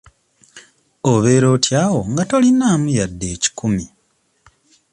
Obeera otya awo nga tolinaamu wadde ekikumi?